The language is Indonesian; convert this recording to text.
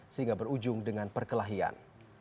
sehingga berujung dengan perkelahian